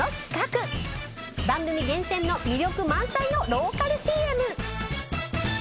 番組厳選の魅力満載のローカルＣＭ！